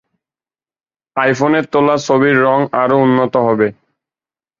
আইফোনের তোলা ছবির রং আরও উন্নত হবে।